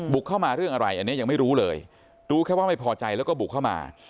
เข้ามาเรื่องอะไรอันนี้ยังไม่รู้เลยรู้แค่ว่าไม่พอใจแล้วก็บุกเข้ามา